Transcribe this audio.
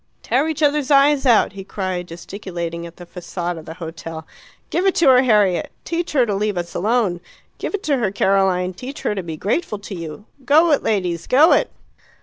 "Tear each other's eyes out!" he cried, gesticulating at the facade of the hotel. "Give it to her, Harriet! Teach her to leave us alone. Give it to her, Caroline! Teach her to be grateful to you. Go it, ladies; go it!"